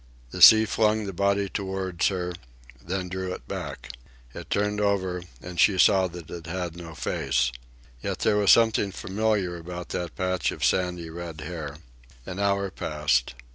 The sea flung the body toward her, then drew it back. It turned over, and she saw that it had no face. Yet there was something familiar about that patch of sandy red hair. An hour passed.